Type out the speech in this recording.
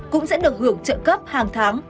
cũng sẽ được hưởng trợ cấp hàng tháng